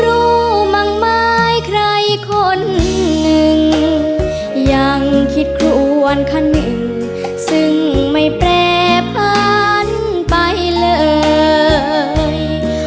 รู้มั่งไม้ใครคนหนึ่งยังคิดควรค่ะหนึ่งซึ่งไม่แปรผันไปเลย